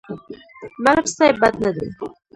ملک صيب بد نه دی.